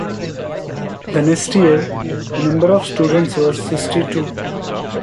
The next year, the number of students was sixty-two.